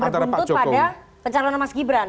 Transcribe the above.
penjelasan titik pisah yang berbentuk pada pencarian mas gibran